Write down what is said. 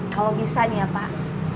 kalau bisa nih ya pak